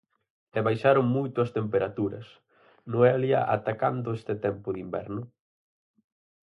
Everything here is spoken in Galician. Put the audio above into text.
E baixaron moito as temperaturas, Noelia ata cando este tempo de inverno?